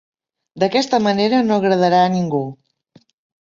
D'aquesta manera no agradarà a ningú.